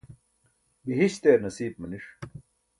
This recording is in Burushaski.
bihiśt eer nasiip maniṣ